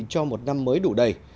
cho một năm mới đủ đầy